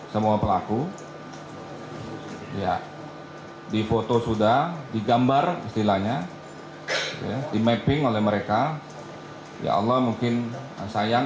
semua pelaku ya di foto sudah digambar istilahnya di mapping oleh mereka ya allah mungkin sayang